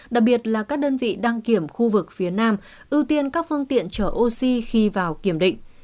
đặc biệt là các đơn vị đăng kiểm khu vực phía nam ưu tiên các phương tiện chở oxy khi vào kiểm định